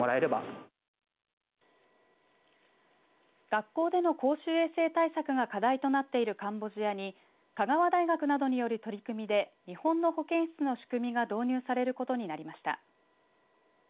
学校での公衆衛生対策が課題となっているカンボジアに香川大学などによる取り組みで日本の保健室の仕組みが導入されることになりました。